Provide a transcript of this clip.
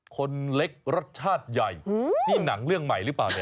คนเล็กรสชาติใหญ่นี่หนังเรื่องใหม่หรือเปล่าเนี่ย